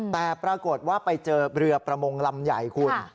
แต่ปรากฏว่าไปเจอเรือประมงลำใหญ่คุณ